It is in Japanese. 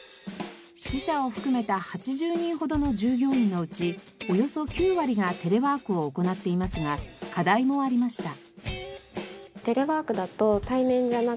支社を含めた８０人ほどの従業員のうちおよそ９割がテレワークを行っていますが課題もありました。